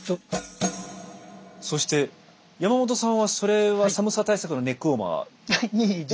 そして山本さんはそれは寒さ対策のいえいえ